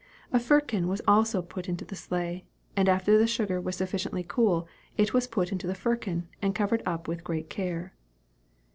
A firkin was also put into the sleigh; and after the sugar was sufficiently cool, it was put into the firkin, and covered up with great care.